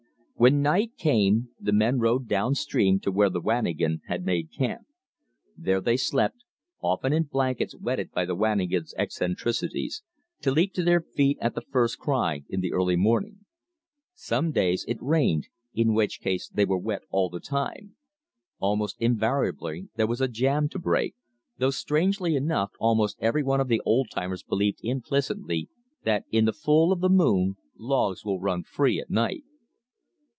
When night came the men rode down stream to where the wanigan had made camp. There they slept, often in blankets wetted by the wanigan's eccentricities, to leap to their feet at the first cry in early morning. Some days it rained, in which case they were wet all the time. Almost invariably there was a jam to break, though strangely enough almost every one of the old timers believed implicitly that "in the full of the moon logs will run free at night."